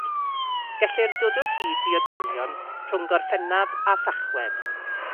Gellir dod o hyd i oedolion rhwng Gorffennaf a Thachwedd.